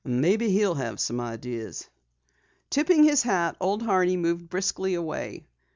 "Maybe he'll have some ideas." Tipping his hat, Old Horney moved briskly away.